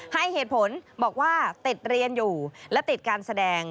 ให้เหตุผลบอกว่าติดเรียนอยู่และติดการแสดง